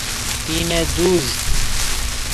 پینه دوز